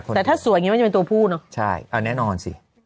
แต่ถ้าสวยอย่างนี้มันจะเป็นตัวผู้เนอะใช่เอาแน่นอนสิ